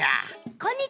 こんにちは！